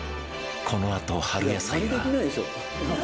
このあと春野菜が